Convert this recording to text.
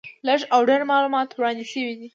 لږ او ډېر معلومات وړاندې شوي دي.